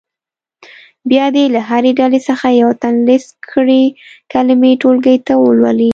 بیا دې له هرې ډلې څخه یو تن لیست کړې کلمې ټولګي ته ولولي.